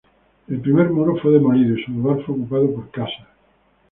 El primer muro fue demolido y su lugar fue ocupado por casas.